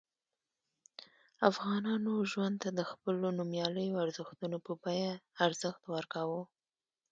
افغانانو ژوند ته د خپلو نوميالیو ارزښتونو په بیه ارزښت ورکاوه.